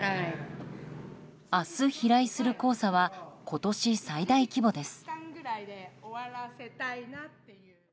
明日飛来する黄砂は今年最大規模です。